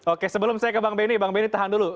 oke sebelum saya ke bang benny bang benny tahan dulu